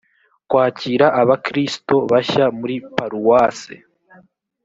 kwakira abakristo bashya muri paruwase